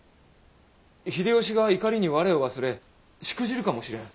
秀吉が怒りに我を忘れしくじるかもしれん。